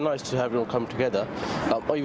ini cukup baik untuk mereka datang bersama